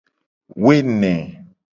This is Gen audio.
Woene.